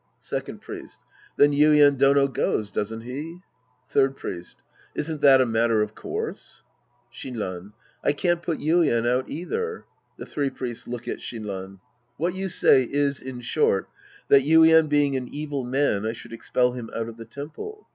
Second Priest. Then Yuien Dono goes, doesn't he ? Third Priest. Isn't that a matter of course ? Shinran. I can't put Yuien out either, {^he three Priests look at Shinran.) What you say is, in short, that Yuien being an evil man, I should expel him out of the temple.